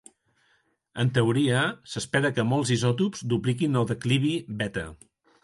En teoria, s'espera que molts isòtops dupliquin el declivi beta.